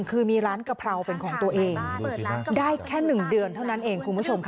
คือมีร้านกะเพราเป็นของตัวเอง